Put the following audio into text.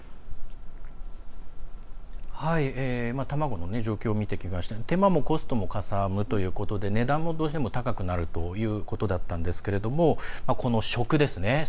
卵の状況、見てきましたが手間もコストもかさむということで値段もどうしても高くなるということだったんですけれどもこの食ですね